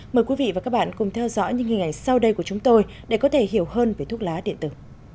mời quý vị và các bạn cùng theo dõi những hình ảnh sau đây của chúng tôi để có thể hiểu hơn về thuốc lá điện tử